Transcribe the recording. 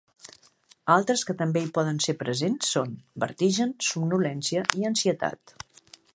Altres que també hi poden ser present són: vertigen, somnolència i ansietat.